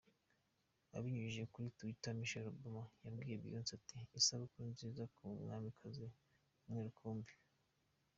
Abinyujije kuri Twitter Michelle Obama yabwiye Beyonce ati “Isabukuru nziza ku mwamikazi umwe rukumbi.